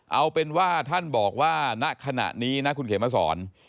เอาเป็นว่าท่านบอกว่าณขณะนี้นะคุณเขมสอน